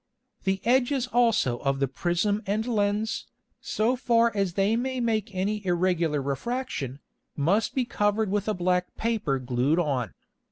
The edges also of the Prism and Lens, so far as they may make any irregular Refraction, must be covered with a black Paper glewed on.